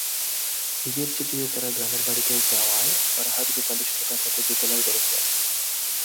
ঈদের ছুটিতে তাঁরা গ্রামের বাড়িতে যাওয়ায় ফরহাদ-রূপালী শনিবার রাতে দোতলার ঘরে ছিলেন।